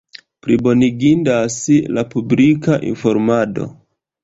Plibonigindas la publika informado.